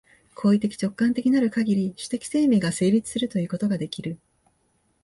行為的直観的なるかぎり、種的生命が成立するということができる。